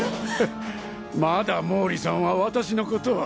まだ毛利さんは私のことを。